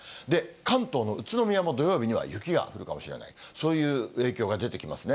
関東の宇都宮も、土曜日には雪が降るかもしれない、そういう影響が出てきますね。